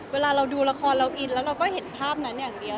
เวลาเราดูละครอ่อนแล้วเห็นภาพนั้นนั้นอย่างเดียว